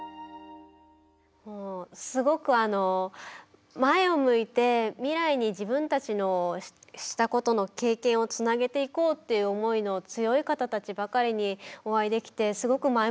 すごく前を向いて未来に自分たちのしたことの経験をつなげていこうっていう思いの強い方たちばかりにお会いできてすごく前向きな気持ちになれましたね。